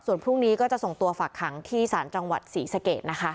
ส่วนพรุ่งนี้ก็จะส่งตัวฝากขังที่ศาลจังหวัดศรีสะเกดนะคะ